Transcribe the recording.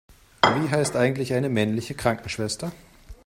Wie heißt eigentlich eine männliche Krankenschwester?